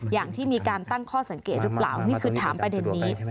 อย่างที่มีการตั้งข้อสังเกตหรือเปล่านี่คือถามประเด็นนี้